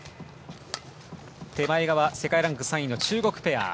手前側、世界ランク３位の中国ペア。